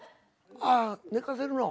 ああ寝かせるの。